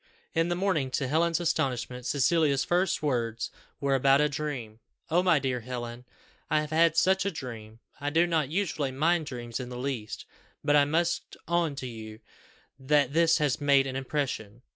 In the morning, to Helen's astonishment, Cecilia's first words were about a dream "Oh, my dear Helen, I have had such a dream! I do not usually mind dreams in the least, but I must own to you that this has made an impression!